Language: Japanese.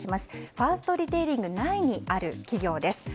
ファーストリテイリング内にある企業です。